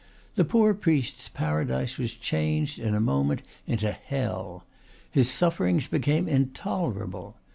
The poor priest's paradise was changed, in a moment, into hell. His sufferings became intolerable.